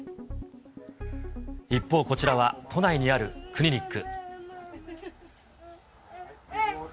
一方、こちらは都内にあるクリニック。